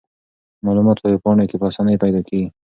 معلومات په ویب پاڼو کې په اسانۍ پیدا کیږي.